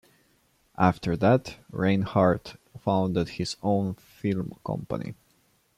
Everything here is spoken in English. After that, Reinhardt founded his own film company.